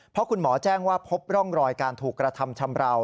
เพราะคุณหมอแจ้งว่าพบร่องรอยการถูกกระทำชำราว